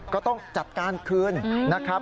ก็ต้องจัดการคืนนะครับ